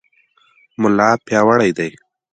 ملا پیاوړی دی.